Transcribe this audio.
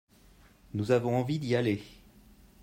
Nous avons envie d'y aller.